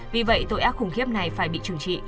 vì vậy tội ác khủng khiếp này phải bị chủ trị